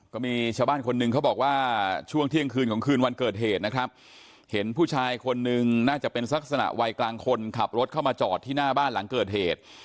ก็มีชาวบ้านคนหนึ่งเขาบอกว่าช่วงเที่ยงคืนของคืนวันเกิดเหตุนะครับเห็นผู้ชายคนนึงน่าจะเป็นลักษณะวัยกลางคนขับรถเข้ามาจอดที่หน้าบ้านหลังเกิดเหตุ